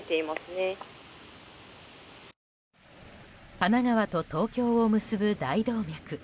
神奈川と東京を結ぶ大動脈